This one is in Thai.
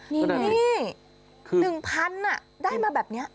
นี่๑๐๐๐ได้มาแบบนี้